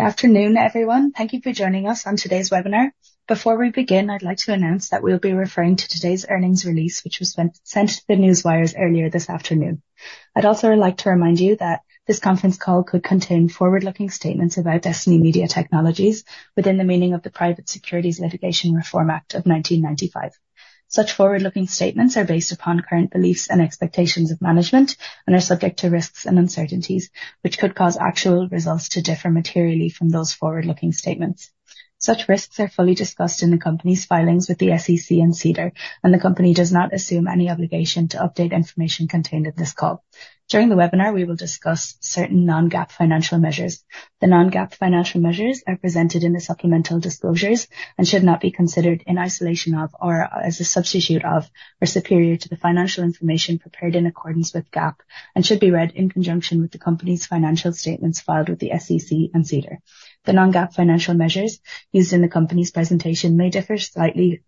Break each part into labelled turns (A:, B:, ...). A: Good afternoon, everyone. Thank you for joining us on today's webinar. Before we begin, I'd like to announce that we'll be referring to today's earnings release, which was sent to the newswires earlier this afternoon. I'd also like to remind you that this conference call could contain forward-looking statements about Destiny Media Technologies within the meaning of the Private Securities Litigation Reform Act of 1995. Such forward-looking statements are based upon current beliefs and expectations of management and are subject to risks and uncertainties, which could cause actual results to differ materially from those forward-looking statements. Such risks are fully discussed in the company's filings with the SEC and SEDAR, and the company does not assume any obligation to update information contained in this call. During the webinar, we will discuss certain non-GAAP financial measures. The non-GAAP financial measures are presented in the supplemental disclosures and should not be considered in isolation of or as a substitute of, or superior to the financial information prepared in accordance with GAAP, and should be read in conjunction with the company's financial statements filed with the SEC and SEDAR+. The non-GAAP financial measures used in the company's presentation may differ slightly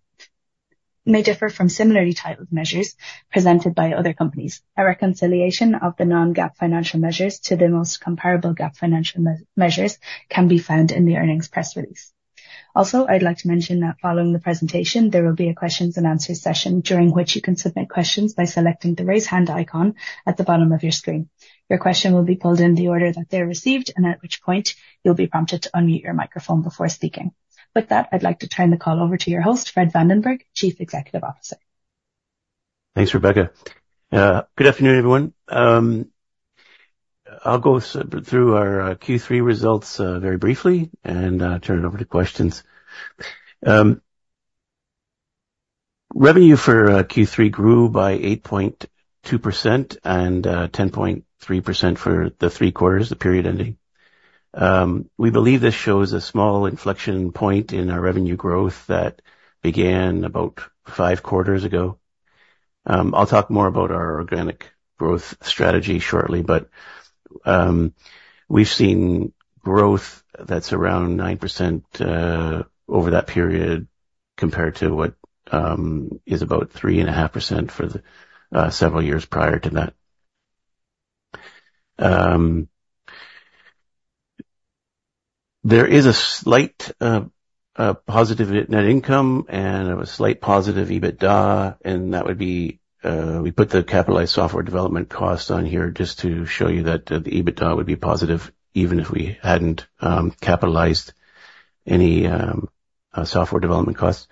A: from similarly titled measures presented by other companies. A reconciliation of the non-GAAP financial measures to the most comparable GAAP financial measures can be found in the earnings press release. Also, I'd like to mention that following the presentation, there will be a questions and answer session, during which you can submit questions by selecting the Raise Hand icon at the bottom of your screen. Your question will be pulled in the order that they're received, and at which point, you'll be prompted to unmute your microphone before speaking. With that, I'd like to turn the call over to your host, Fred Vandenberg, Chief Executive Officer.
B: Thanks, Rebecca. Good afternoon, everyone. I'll go through our Q3 results very briefly, and turn it over to questions. Revenue for Q3 grew by 8.2% and 10.3% for the three quarters period ending. We believe this shows a small inflection point in our revenue growth that began about 5 quarters ago. I'll talk more about our organic growth strategy shortly, but we've seen growth that's around 9% over that period, compared to what is about 3.5% for the several years prior to that. There is a slight positive net income and a slight positive EBITDA, and that would be we put the capitalized software development costs on here just to show you that the EBITDA would be positive even if we hadn't capitalized any software development costs.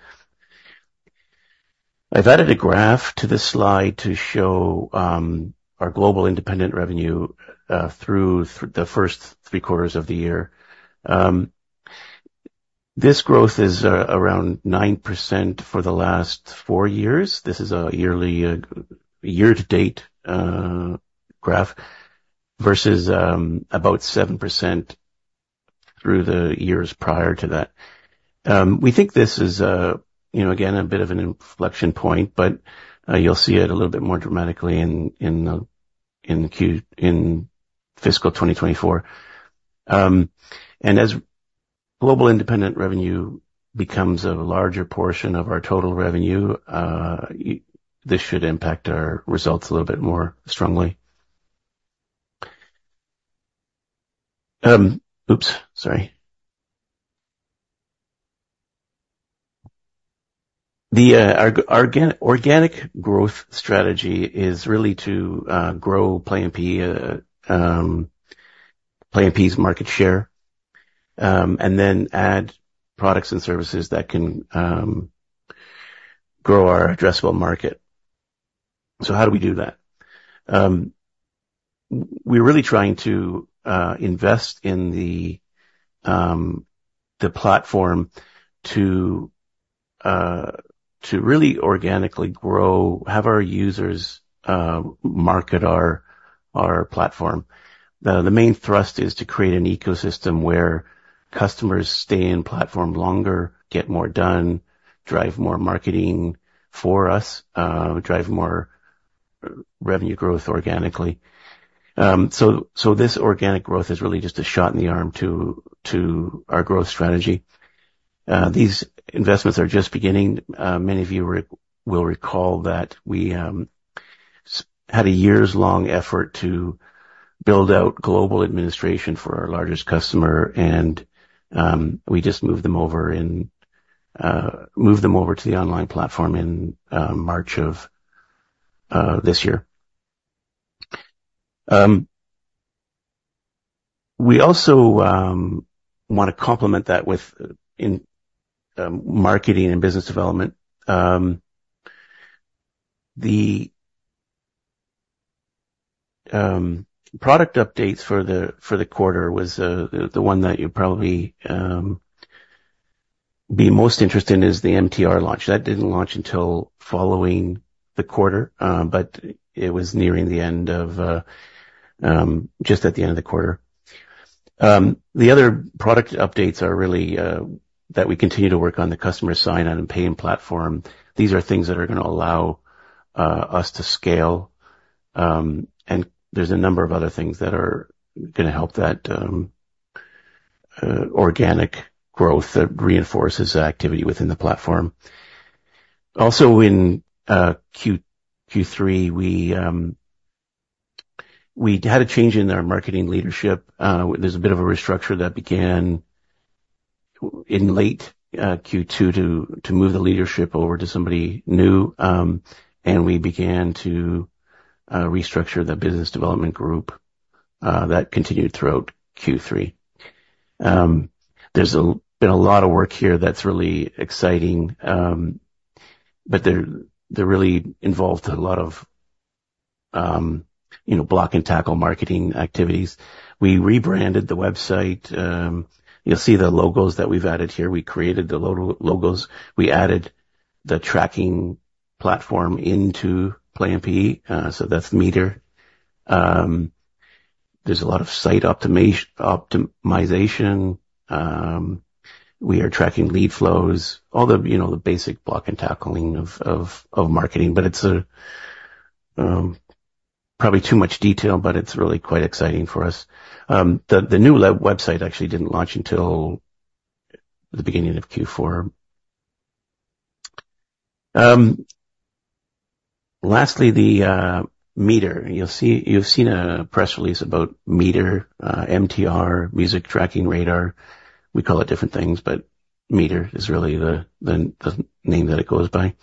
B: I've added a graph to this slide to show our global independent revenue through the first three quarters of the year. This growth is around 9% for the last four years. This is a yearly year-to-date graph, versus about 7% through the years prior to that. We think this is, you know, again, a bit of an inflection point, but you'll see it a little bit more dramatically in fiscal 2024. As global independent revenue becomes a larger portion of our total revenue, this should impact our results a little bit more strongly. Oops! Sorry. The organic growth strategy is really to grow Play MPE's market share and then add products and services that can grow our addressable market. So how do we do that? We're really trying to invest in the platform to really organically grow, have our users market our platform. The main thrust is to create an ecosystem where customers stay in platform longer, get more done, drive more marketing for us, drive more revenue growth organically. This organic growth is really just a shot in the arm to our growth strategy. These investments are just beginning. Many of you will recall that we had a years-long effort to build out global administration for our largest customer, and we just moved them over to the online platform in March of this year. We also want to complement that with marketing and business development. The product updates for the quarter was the one that you'll probably be most interested in is the MTR launch. That didn't launch until following the quarter, but it was nearing the end of the quarter. The other product updates are really that we continue to work on the customer sign-on and paying platform. These are things that are gonna allow us to scale, and there's a number of other things that are gonna help that organic growth that reinforces the activity within the platform. Also in Q3, we had a change in our marketing leadership. There's a bit of a restructure that began in late Q2 to move the leadership over to somebody new. And we began to restructure the business development group that continued throughout Q3. There's been a lot of work here that's really exciting, but they're really involved a lot of, you know, block-and-tackle marketing activities. We rebranded the website. You'll see the logos that we've added here. We created the logos. We added the tracking platform into Play MPE, so that's Meter. There's a lot of site optimization. We are tracking lead flows, all the, you know, the basic block-and-tackling of marketing, but it's probably too much detail, but it's really quite exciting for us. The new website actually didn't launch until the beginning of Q4. Lastly, the Meter. You'll see. You've seen a press release about Meter, MTR, Music Tracking Radar. We call it different things, but Meter is really the name that it goes by.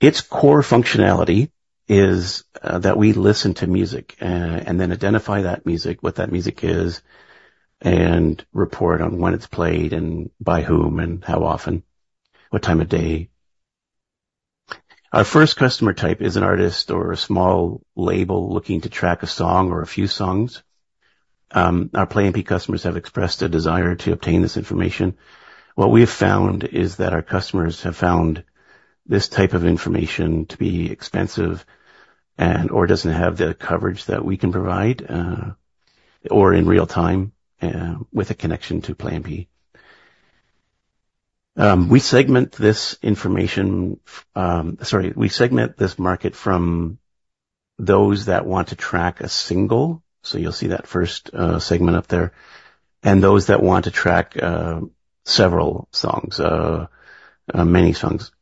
B: Its core functionality is that we listen to music and then identify that music, what that music is, and report on when it's played and by whom and how often, what time of day. Our first customer type is an artist or a small label looking to track a song or a few songs. Our Play MPE customers have expressed a desire to obtain this information. What we have found is that our customers have found this type of information to be expensive and/or doesn't have the coverage that we can provide, or in real time, with a connection to Play MPE. Sorry, we segment this information. We segment this market from those that want to track a single, so you'll see that first segment up there, and those that want to track several songs, many songs.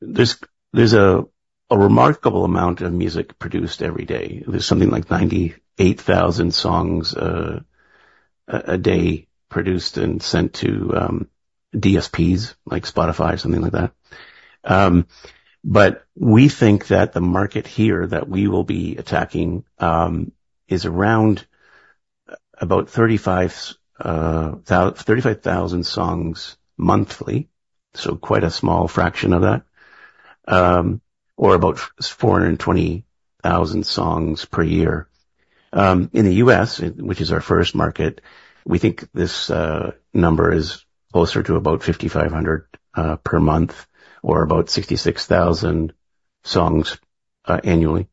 B: There's a remarkable amount of music produced every day. There's something like 98,000 songs a day produced and sent to DSPs, like Spotify or something like that. But we think that the market here that we will be attacking is around about 35,000 songs monthly, so quite a small fraction of that, or about 420,000 songs per year. In the U.S., which is our first market, we think this number is closer to about 5,500 per month, or about 66,000 songs annually.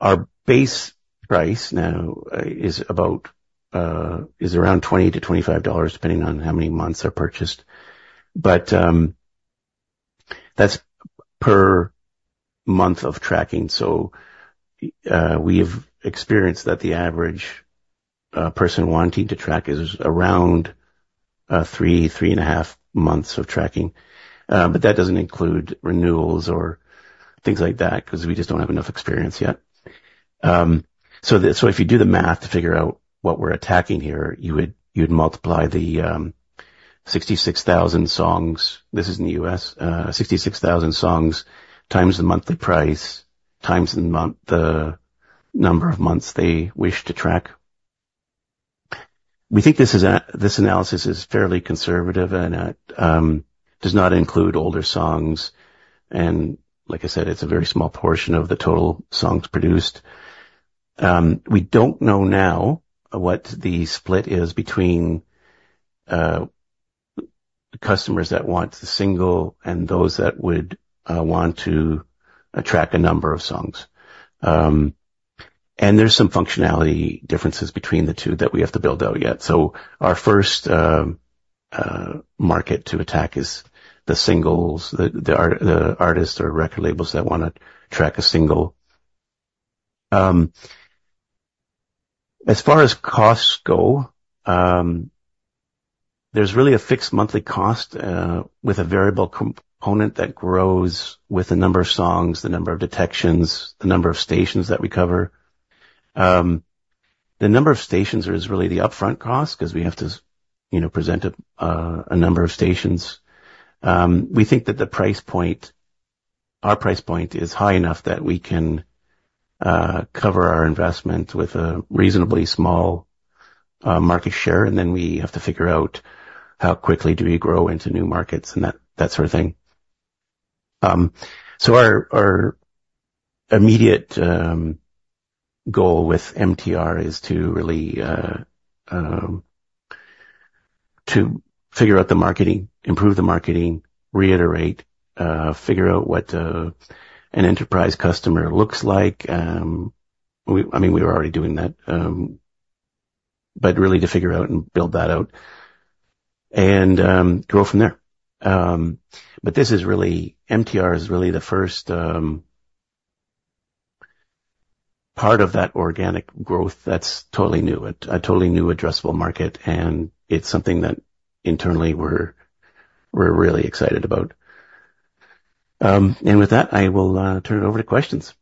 B: Our base price now is around $20-$25, depending on how many months are purchased. But that's per month of tracking, so we have experienced that the average person wanting to track is around 3-3.5 months of tracking. But that doesn't include renewals or things like that, 'cause we just don't have enough experience yet. So if you do the math to figure out what we're attacking here, you would, you'd multiply the 66,000 songs, this is in the U.S., 66,000 songs, times the monthly price, times the number of months they wish to track. We think this analysis is fairly conservative and does not include older songs, and like I said, it's a very small portion of the total songs produced. We don't know now what the split is between customers that want the single and those that would want to track a number of songs. And there's some functionality differences between the two that we have to build out yet. So our first market to attack is the singles, the artists or record labels that wanna track a single. As far as costs go, there's really a fixed monthly cost with a variable component that grows with the number of songs, the number of detections, the number of stations that we cover. The number of stations is really the upfront cost, 'cause we have to, you know, present a number of stations. We think that the price point, our price point, is high enough that we can cover our investment with a reasonably small market share, and then we have to figure out how quickly do we grow into new markets and that sort of thing. So our immediate goal with MTR is to really to figure out the marketing, improve the marketing, reiterate, figure out what an enterprise customer looks like. I mean, we're already doing that, but really to figure out and build that out and grow from there. But this is really MTR is really the first part of that organic growth, that's totally new, a totally new addressable market, and it's something that internally we're really excited about. And with that, I will turn it over to questions.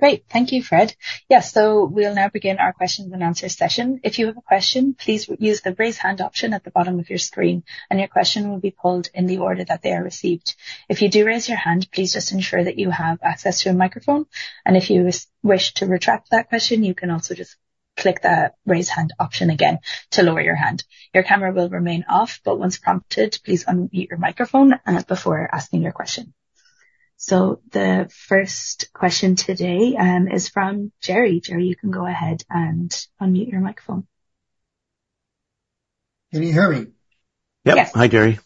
A: Great. Thank you, Fred. Yes, so we'll now begin our questions and answer session. If you have a question, please use the Raise Hand option at the bottom of your screen, and your question will be pulled in the order that they are received. If you do raise your hand, please just ensure that you have access to a microphone, and if you wish to retract that question, you can also just click the Raise Hand option again to lower your hand. Your camera will remain off, but once prompted, please unmute your microphone before asking your question. So the first question today is from Gary. Gary, you can go ahead and unmute your microphone.
C: Can you hear me?
B: Yep.
A: Yes.
B: Hi, Gary.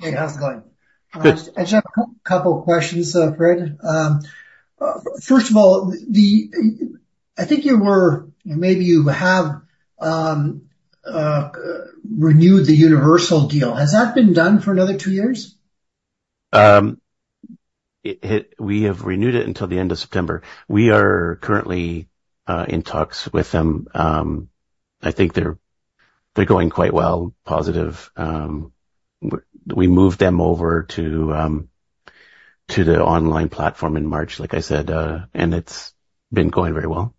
C: Hey, how's it going?
B: Good.
C: I just have a couple of questions, Fred. First of all, I think you were, maybe you have renewed the Universal deal. Has that been done for another two years?
B: We have renewed it until the end of September. We are currently in talks with them. I think they're going quite well, positive. We moved them over to the online platform in March, like I said, and it's been going very well.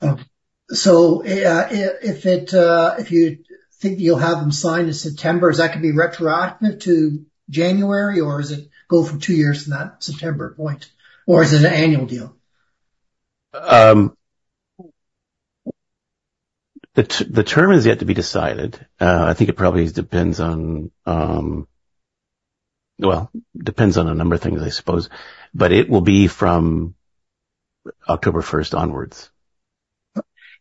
C: Okay. So if you think you'll have them signed in September, is that gonna be retroactive to January, or does it go for two years from that September point, or is it an annual deal?
B: The term is yet to be decided. I think it probably depends on a number of things, I suppose, but it will be from October first onwards.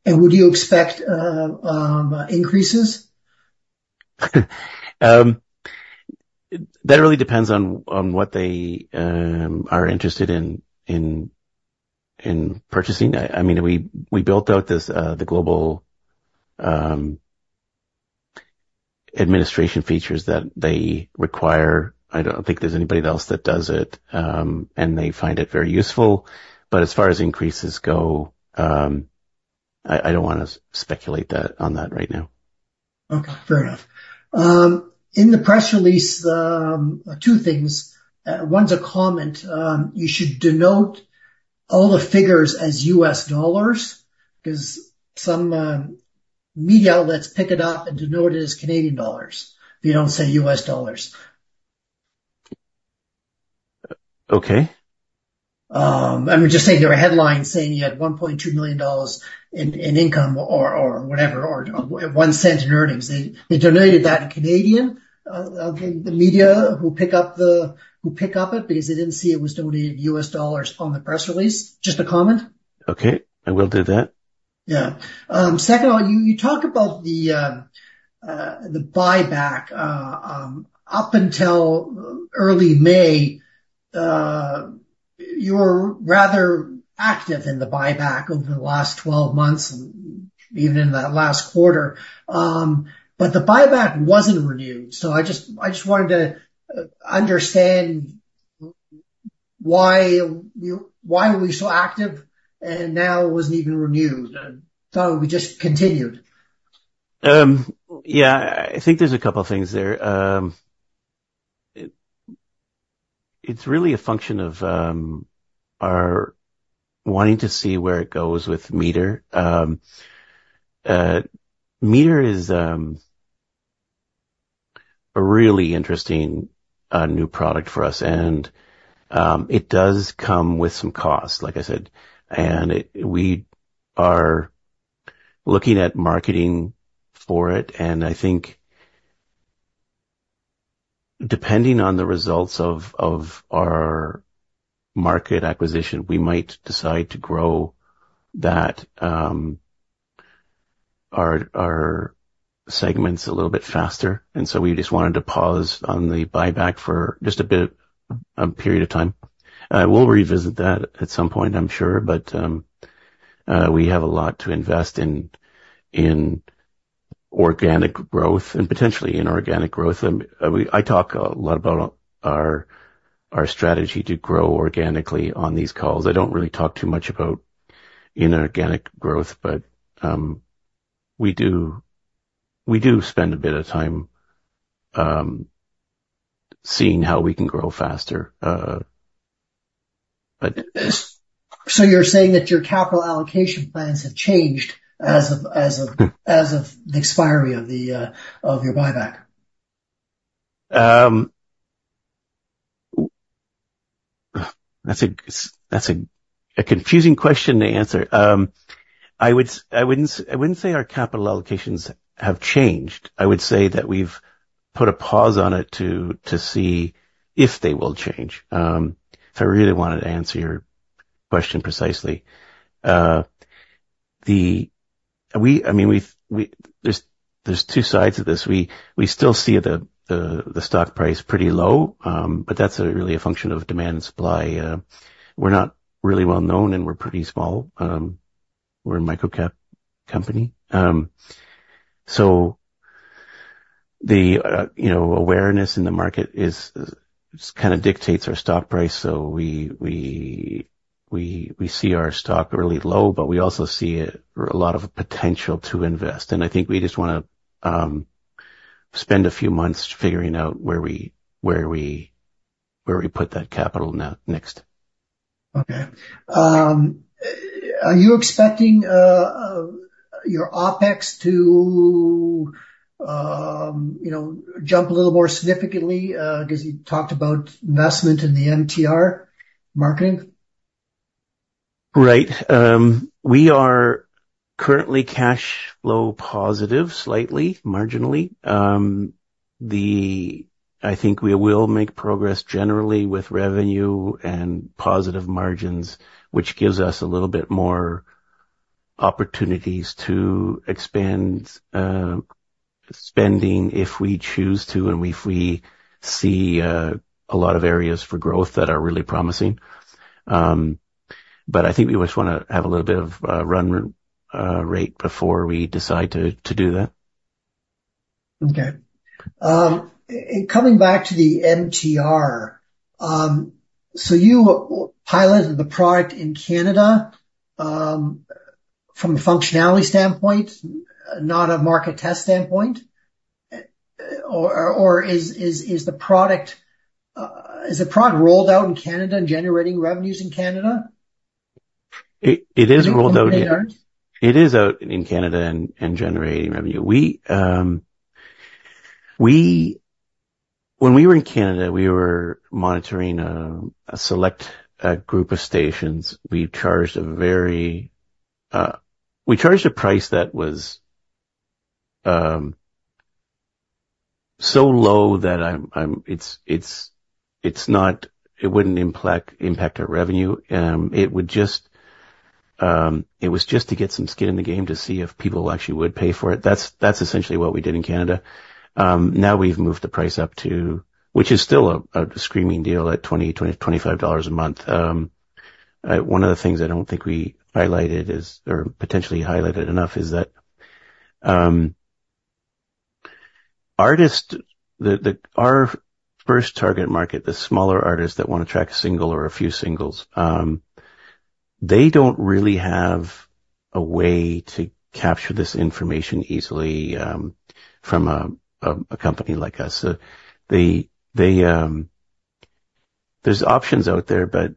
C: Would you expect increases?
B: That really depends on what they are interested in purchasing. I mean, we built out the global administration features that they require. I don't think there's anybody else that does it, and they find it very useful, but as far as increases go, I don't wanna speculate on that right now.
C: Okay, fair enough. In the press release, two things, one's a comment. You should denote all the figures as US dollars, 'cause some media outlets pick it up and denote it as Canadian dollars. They don't say US dollars.
B: Okay.
C: I'm just saying, there were headlines saying you had $1.2 million in income or whatever, or $0.01 in earnings. They denoted that in Canadian. The media who pick it up, because they didn't see it was denoted U.S. dollars on the press release. Just a comment.
B: Okay, I will do that.
C: Yeah. Second of all, you talk about the buyback. Up until early May, you were rather active in the buyback over the last 12 months, even in the last quarter. But the buyback wasn't renewed, so I just wanted to understand why you were so active, and now it wasn't even renewed? Thought we just continued.
B: Yeah, I think there's a couple things there. It's really a function of our wanting to see where it goes with meter. Meter is a really interesting new product for us, and it does come with some costs, like I said, and it. We are looking at marketing for it, and I think, depending on the results of our market acquisition, we might decide to grow that, our segments a little bit faster, and so we just wanted to pause on the buyback for just a bit, a period of time. We'll revisit that at some point, I'm sure, but we have a lot to invest in organic growth and potentially inorganic growth. I talk a lot about our strategy to grow organically on these calls. I don't really talk too much about inorganic growth, but we do, we do spend a bit of time seeing how we can grow faster, but-
C: You're saying that your capital allocation plans have changed as of.
B: Mm.
C: As of the expiry of your buyback?
B: That's a confusing question to answer. I wouldn't say our capital allocations have changed. I would say that we've put a pause on it to see if they will change. If I really wanted to answer your question precisely, I mean, there's two sides to this. We still see the stock price pretty low, but that's really a function of demand and supply. We're not really well known, and we're pretty small. We're a micro-cap company. So, you know, awareness in the market just kinda dictates our stock price, so we see our stock really low, but we also see a lot of potential to invest. I think we just wanna spend a few months figuring out where we put that capital now, next.
C: Okay. Are you expecting your OpEx to, you know, jump a little more significantly, 'cause you talked about investment in the MTR marketing?
B: Right. We are currently cash flow positive, slightly, marginally. I think we will make progress generally with revenue and positive margins, which gives us a little bit more opportunities to expand spending, if we choose to, and if we see a lot of areas for growth that are really promising. But I think we just wanna have a little bit of run rate before we decide to do that.
C: Okay. Coming back to the MTR, so you piloted the product in Canada, from a functionality standpoint, not a market test standpoint? Or, is the product rolled out in Canada and generating revenues in Canada?
B: It is rolled out-
C: In Canada?
B: It is out in Canada and generating revenue. We, when we were in Canada, we were monitoring a select group of stations. We charged a price that was so low that it wouldn't impact our revenue. It would just. It was just to get some skin in the game to see if people actually would pay for it. That's essentially what we did in Canada. Now we've moved the price up to, which is still a screaming deal at $25 a month. One of the things I don't think we highlighted is, or potentially highlighted enough, is that artists, the... Our first target market, the smaller artists that wanna track a single or a few singles, they don't really have a way to capture this information easily, from a company like us. So they, there's options out there, but...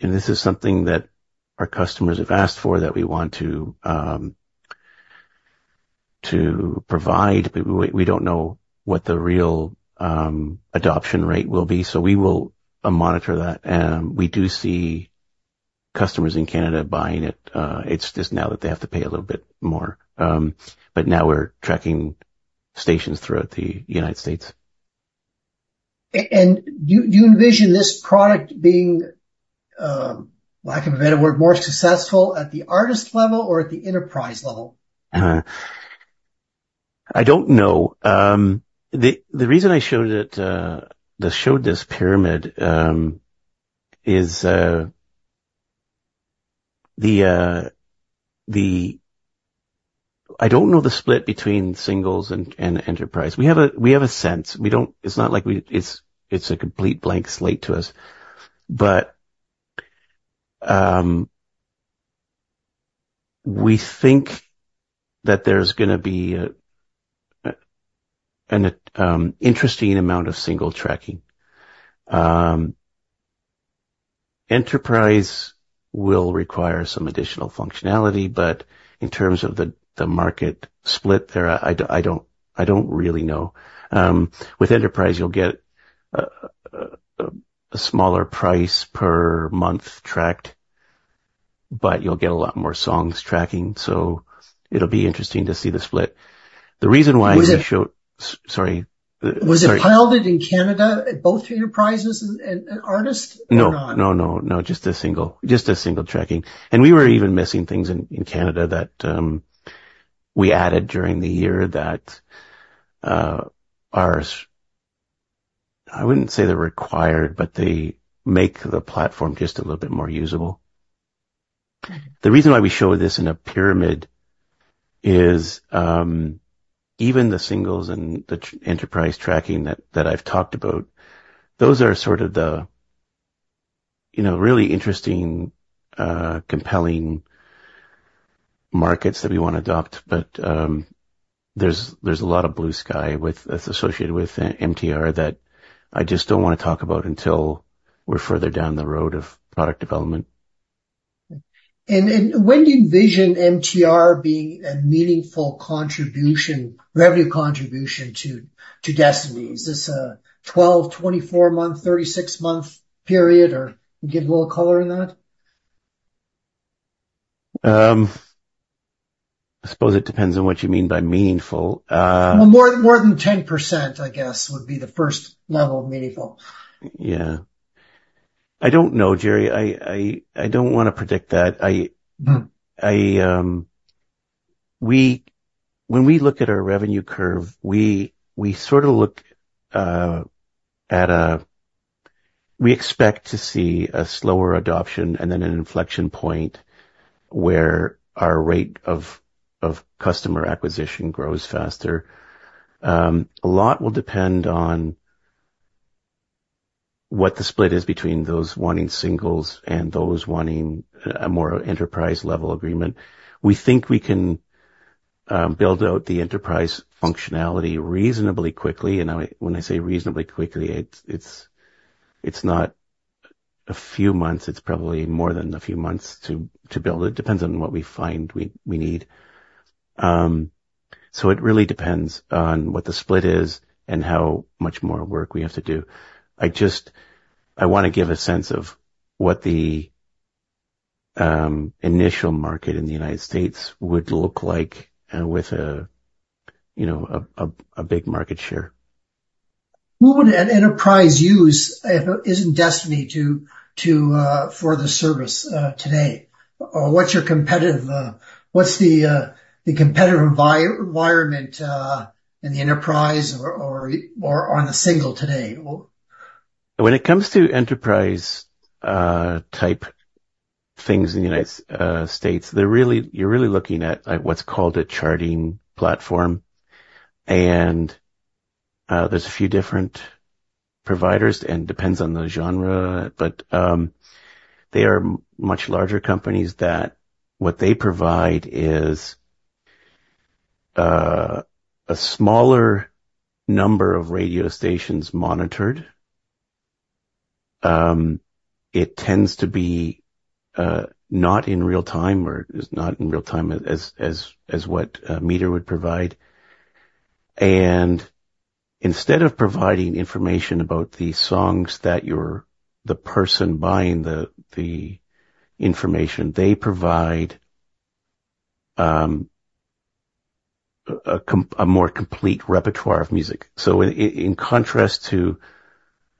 B: And this is something that our customers have asked for, that we want to provide, but we don't know what the real adoption rate will be. So we will monitor that. We do see customers in Canada buying it. It's just now that they have to pay a little bit more. But now we're tracking stations throughout the United States.
C: And do you, do you envision this product being, lack of a better word, more successful at the artist level or at the enterprise level?
B: I don't know. The reason I showed it, showed this pyramid, is the... I don't know the split between singles and enterprise. We have a sense. We don't—it's not like it's a complete blank slate to us, but we think that there's gonna be an interesting amount of single tracking. Enterprise will require some additional functionality, but in terms of the market split there, I don't really know. With enterprise, you'll get a smaller price per month tracked, but you'll get a lot more songs tracking, so it'll be interesting to see the split. The reason why we show-
C: Was it-
B: Sorry.
C: Was it piloted in Canada at both enterprises and artists or not?
B: No, no, no, just a single, just a single tracking. And we were even missing things in Canada that we added during the year that are, I wouldn't say they're required, but they make the platform just a little bit more usable.
C: Okay.
B: The reason why we show this in a pyramid is, even the singles and the enterprise tracking that I've talked about, those are sort of the, you know, really interesting, compelling markets that we want to adopt. But, there's a lot of blue sky that's associated with MTR that I just don't wanna talk about until we're further down the road of product development.
C: When do you envision MTR being a meaningful contribution, revenue contribution to Destiny? Is this a 12-, 24-month, 36-month period, or give a little color on that?
B: I suppose it depends on what you mean by meaningful.
C: Well, more, more than 10%, I guess, would be the first level of meaningful.
B: Yeah. I don't know, Jerry. I don't wanna predict that.
C: Mm.
B: We, when we look at our revenue curve, we, we sort of look at a we expect to see a slower adoption and then an inflection point where our rate of, of customer acquisition grows faster. A lot will depend on what the split is between those wanting singles and those wanting a, a more enterprise-level agreement. We think we can build out the enterprise functionality reasonably quickly, and I, when I say reasonably quickly, it's, it's, it's not a few months. It's probably more than a few months to, to build. It depends on what we find we, we need. So it really depends on what the split is and how much more work we have to do. I just... I wanna give a sense of what the initial market in the United States would look like with a, you know, big market share.
C: Who would an enterprise use if it isn't Destiny, too, for the service today? Or what's the competitive environment in the enterprise or on the single today?
B: When it comes to enterprise type things in the United States, they're really—you're really looking at what's called a charting platform. And there's a few different providers, and depends on the genre, but they are much larger companies that what they provide is a smaller number of radio stations monitored. It tends to be not in real-time, or is not in real-time as what Meter would provide. And instead of providing information about the songs that you're the person buying the information, they provide a more complete repertoire of music. So in contrast to,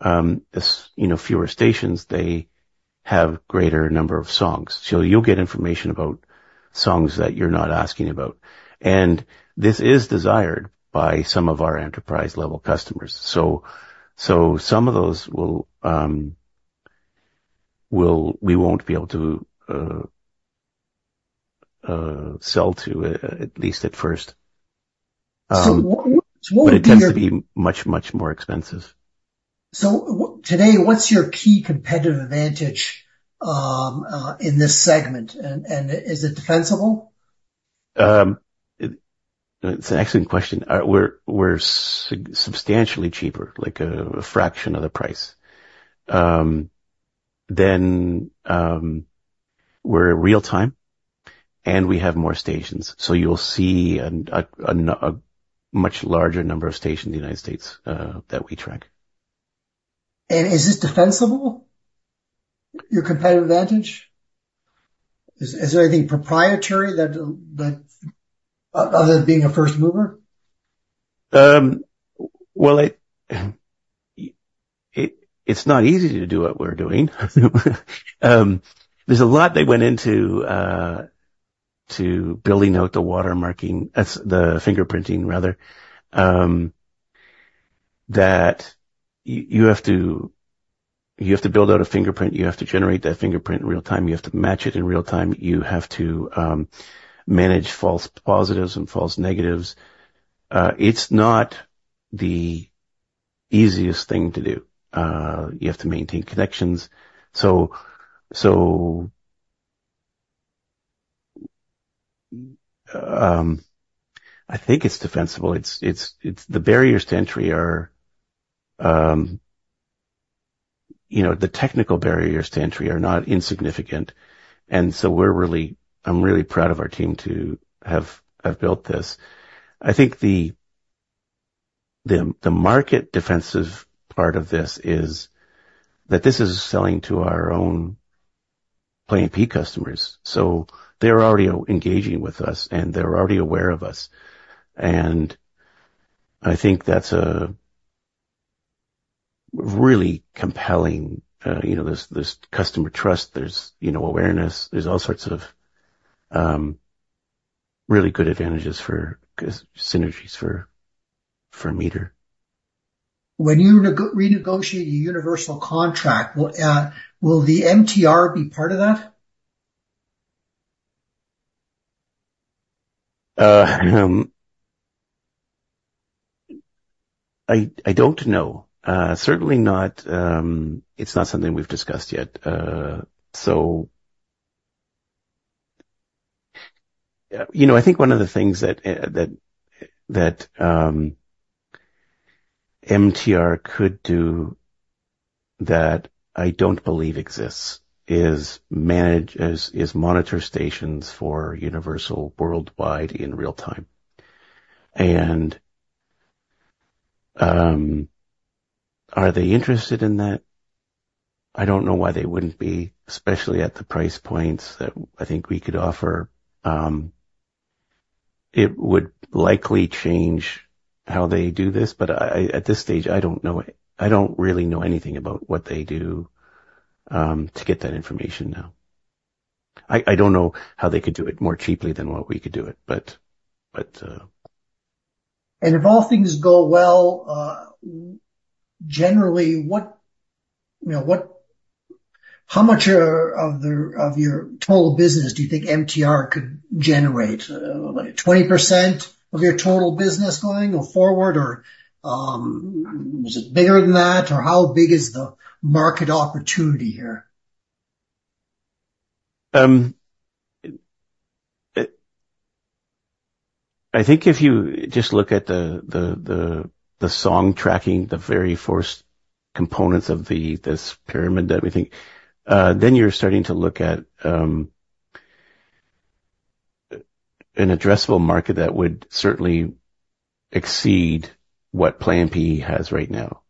B: as you know, fewer stations, they have greater number of songs. So you'll get information about songs that you're not asking about, and this is desired by some of our enterprise-level customers. So, some of those will, we won't be able to sell to, at least at first.
C: So what would be your-
B: But it tends to be much, much more expensive.
C: So today, what's your key competitive advantage in this segment? And is it defensible?
B: It's an excellent question. We're substantially cheaper, like a fraction of the price. Then we're in real time, and we have more stations, so you'll see a much larger number of stations in the United States that we track.
C: And is this defensible, your competitive advantage? Is there anything proprietary that other than being a first mover?
B: Well, it's not easy to do what we're doing. There's a lot that went into building out the watermarking, the fingerprinting rather. You have to build out a fingerprint, you have to generate that fingerprint in real time. You have to match it in real time. You have to manage false positives and false negatives. It's not the easiest thing to do. You have to maintain connections. So, I think it's defensible. It's... The barriers to entry are, you know, the technical barriers to entry are not insignificant, and so we're really, I'm really proud of our team to have built this. I think the market defensive part of this is that this is selling to our own Play MPE customers, so they're already engaging with us, and they're already aware of us. And I think that's a really compelling, you know, there's customer trust, there's, you know, awareness, there's all sorts of, really good advantages for synergies for Meter.
C: When you renegotiate a Universal contract, will the MTR be part of that?
B: I don't know. Certainly not, it's not something we've discussed yet. You know, I think one of the things that MTR could do that I don't believe exists is monitor stations for Universal worldwide in real time. And are they interested in that? I don't know why they wouldn't be, especially at the price points that I think we could offer. It would likely change how they do this, but at this stage, I don't know. I don't really know anything about what they do to get that information now. I don't know how they could do it more cheaply than what we could do it, but.
C: And if all things go well, generally, what, you know, what-- how much of your, of your total business do you think MTR could generate? Like 20% of your total business going forward, or, is it bigger than that? Or how big is the market opportunity here?
B: I think if you just look at the song tracking, the very first components of this pyramid that we think, then you're starting to look at an addressable market that would certainly exceed what Play MPE has right now.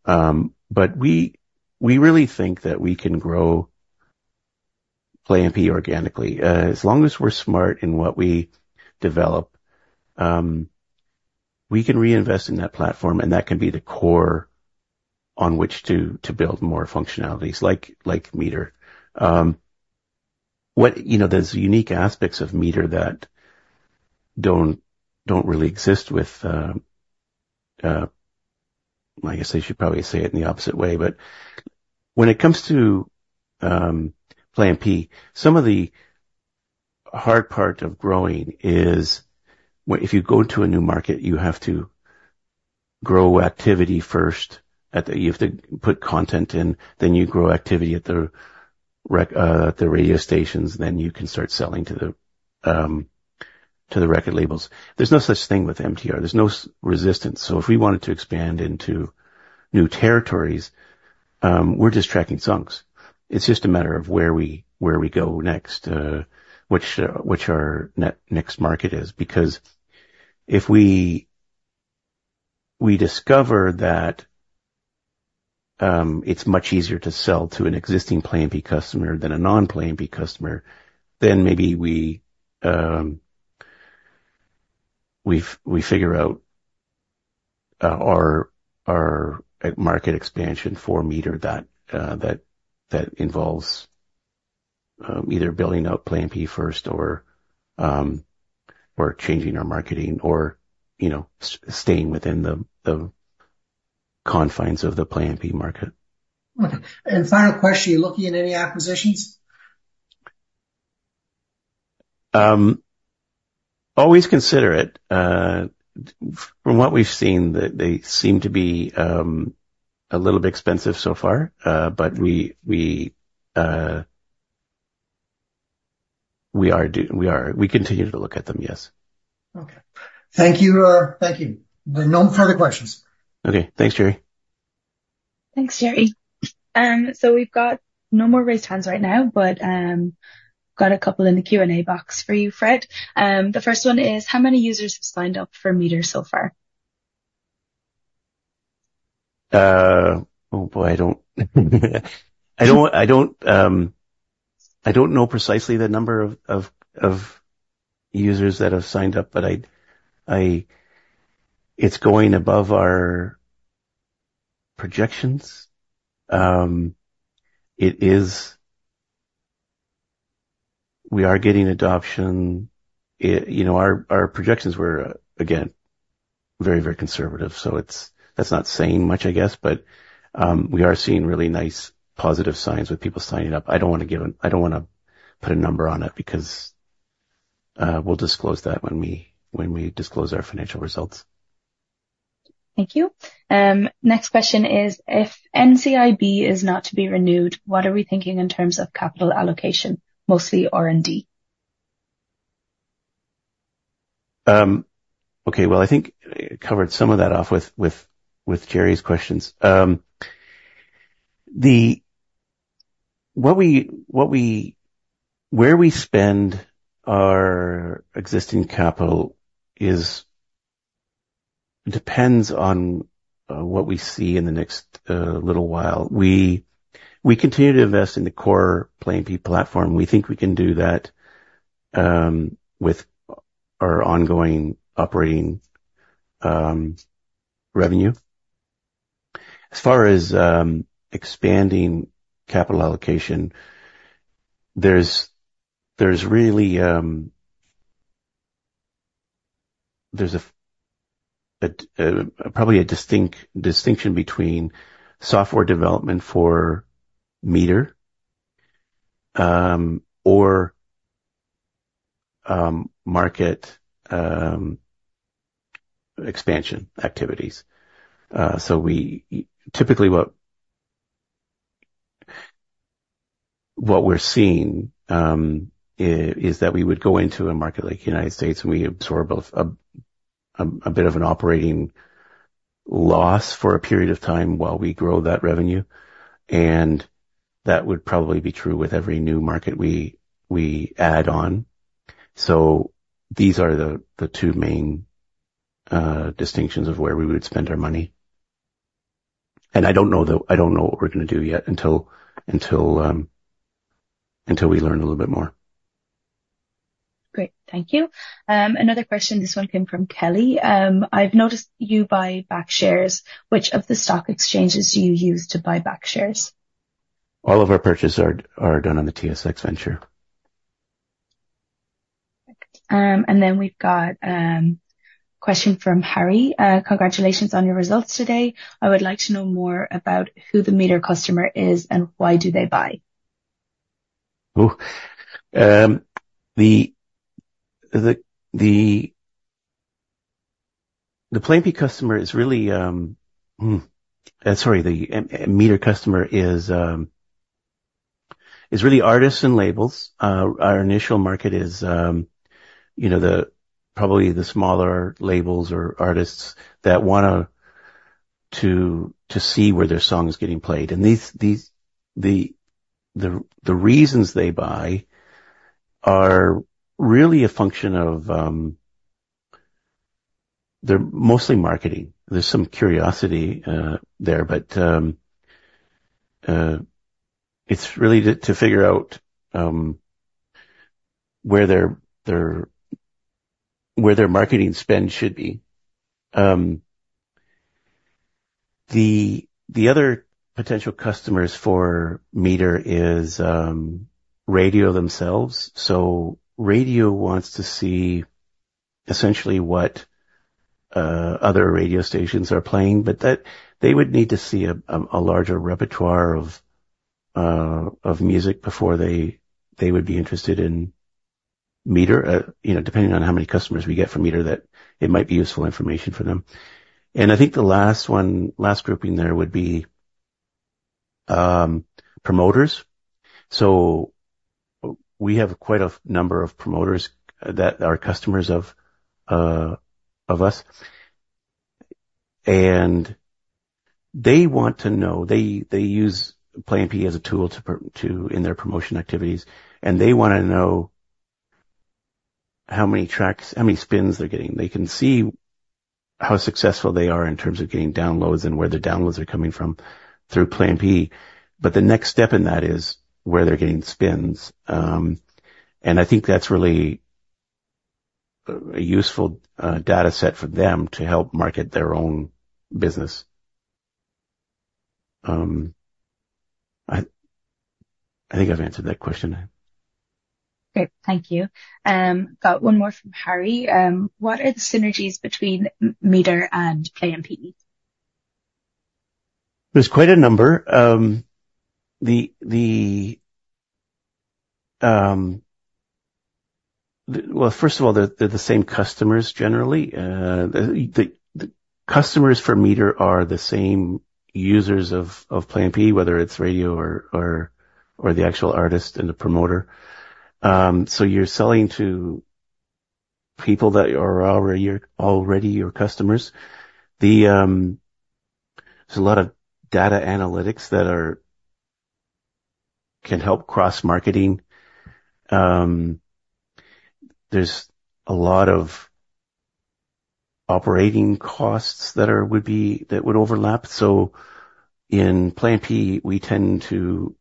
B: But we really think that we can grow Play MPE organically. As long as we're smart in what we develop, we can reinvest in that platform, and that can be the core on which to build more functionalities like Meter. You know, there's unique aspects of Meter that don't really exist with... I guess I should probably say it in the opposite way, but when it comes to Play MPE, some of the hard part of growing is when, if you go to a new market, you have to grow activity first. You have to put content in, then you grow activity at the rec, the radio stations, then you can start selling to the, to the record labels. There's no such thing with MTR. There's no resistance. So if we wanted to expand into new territories, we're just tracking songs. It's just a matter of where we, where we go next, which, which our next market is. Because if we, we discover that, it's much easier to sell to an existing Play MPE customer than a non-Play MPE customer, then maybe we, we figure out, our, our market expansion for Meter that, that, that involves, either building out Play MPE first or, or changing our marketing or, you know, staying within the, the confines of the Play MPE market.
C: Okay, and final question, are you looking at any acquisitions?
B: Always consider it. From what we've seen, they seem to be a little bit expensive so far. But we continue to look at them, yes.
C: Okay. Thank you. Thank you. There are no further questions.
B: Okay. Thanks, Gary.
A: Thanks, Gary. So we've got no more raised hands right now, but, got a couple in the Q&A box for you, Fred. The first one is: How many users have signed up for Meter so far?
B: Oh boy, I don't know precisely the number of users that have signed up, but it's going above our projections. It is. We are getting adoption. You know, our projections were, again, very, very conservative, so it's - that's not saying much, I guess, but we are seeing really nice, positive signs with people signing up. I don't want to give - I don't wanna put a number on it because we'll disclose that when we disclose our financial results.
A: Thank you. Next question is: If NCIB is not to be renewed, what are we thinking in terms of capital allocation, mostly R&D?
B: Okay, well, I think I covered some of that off with Jerry's questions. What we, what we-- where we spend our existing capital is depends on what we see in the next little while. We continue to invest in the core Play MPE platform. We think we can do that with our ongoing operating revenue. As far as expanding capital allocation, there's really a distinction between software development for Meter or market expansion activities. So we typically, what we're seeing is that we would go into a market like United States, and we absorb a bit of an operating loss for a period of time while we grow that revenue, and that would probably be true with every new market we add on. So these are the two main distinctions of where we would spend our money. And I don't know, though, I don't know what we're gonna do yet until we learn a little bit more.
A: Great. Thank you. Another question, this one came from Kelly. I've noticed you buy back shares. Which of the stock exchanges do you use to buy back shares?
B: All of our purchases are done on the TSX Venture.
A: And then we've got a question from Harry. "Congratulations on your results today. I would like to know more about who the Meter customer is, and why do they buy?
B: Oh! The PlayMP customer is really the Meter customer is really artists and labels. Our initial market is, you know, probably the smaller labels or artists that want to see where their song is getting played. And these reasons they buy are really a function of, they're mostly marketing. There's some curiosity there, but it's really to figure out where their marketing spend should be. The other potential customers for Meter is radio themselves. So radio wants to see essentially what other radio stations are playing, but that they would need to see a larger repertoire of music before they would be interested in Meter. You know, depending on how many customers we get from Meter, that it might be useful information for them. I think the last one, last grouping there would be promoters. We have quite a number of promoters that are customers of us, and they want to know... They use PlayMP as a tool to promote in their promotion activities, and they wanna know how many tracks, how many spins they're getting. They can see how successful they are in terms of getting downloads and where the downloads are coming from through PlayMP, but the next step in that is where they're getting spins. I think that's really a useful data set for them to help market their own business. I think I've answered that question.
A: Great, thank you. Got one more from Harry. What are the synergies between M- Meter and PlayMP?
B: There's quite a number. Well, first of all, they're the same customers, generally. The customers for Meter are the same users of PlayMP, whether it's radio or the actual artist and the promoter. So you're selling to people that are already your customers. There's a lot of data analytics that are... can help cross-marketing. There's a lot of operating costs that would overlap. So in PlayMP, we tend to,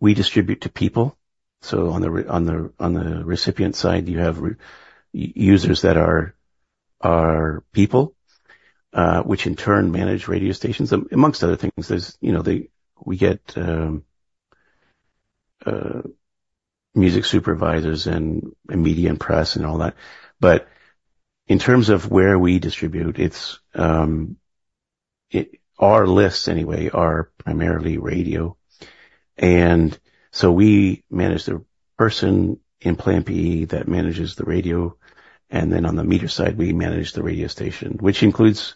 B: we distribute to people, so on the recipient side, you have users that are people, which in turn manage radio stations, among other things. There's, you know, they... We get music supervisors and media and press and all that. But in terms of where we distribute, it's our lists anyway, are primarily radio. And so we manage the person in PlayMP that manages the radio, and then on the Meter side, we manage the radio station, which includes...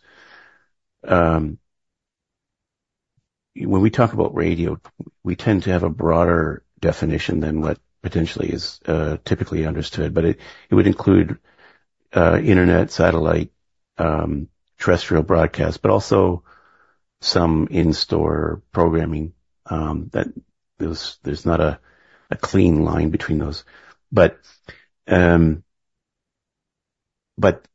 B: When we talk about radio, we tend to have a broader definition than what potentially is typically understood, but it would include internet, satellite, terrestrial broadcast, but also some in-store programming that there's not a clean line between those. But, but,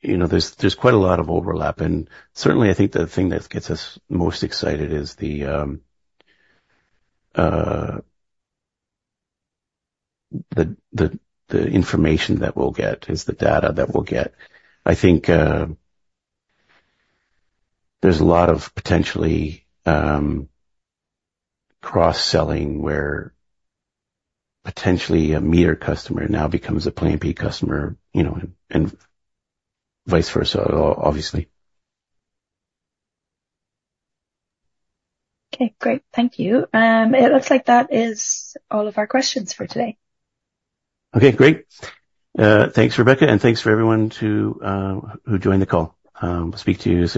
B: you know, there's quite a lot of overlap, and certainly, I think the thing that gets us most excited is the information that we'll get, is the data that we'll get. I think, there's a lot of potentially, cross-selling where potentially a Meter customer now becomes a PlayMP customer, you know, and, and vice versa, obviously.
A: Okay, great. Thank you. It looks like that is all of our questions for today.
B: Okay, great. Thanks, Rebecca, and thanks for everyone who joined the call. Speak to you soon.